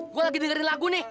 gue lagi dengerin lagu nih